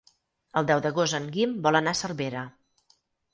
El deu d'agost en Guim vol anar a Cervera.